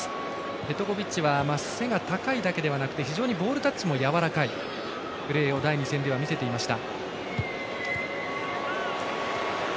ペトコビッチは背が高いだけではなくボールタッチもやわらかいプレーを第２戦では見せていました。